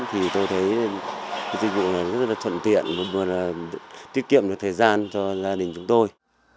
thì tôi thấy dịch vụ này rất thuận tiện và tiết kiệm được thời gian cho gia đình chúng tôi